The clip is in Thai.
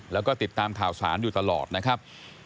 แล้วก็ติดตามข่าวสารอยู่ตลอดนะครับ